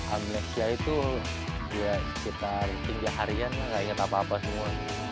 amnesia itu ya sekitar tiga harian lah nggak inget apa apa semua